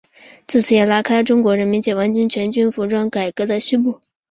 自此也拉开了中国人民解放军全军服装改革的序幕。